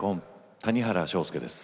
谷原章介です。